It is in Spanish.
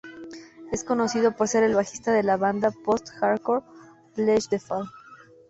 Es conocido por ser el bajista de la banda post-hardcore Blessthefall.